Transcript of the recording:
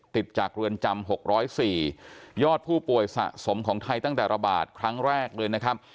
ติดจากเรือนจำ๖๐๔ยอดผู้ป่วยสะสมของไทยตั้งแต่ระบาดครั้งแรกเลยนะครับ